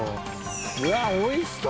うわおいしそう！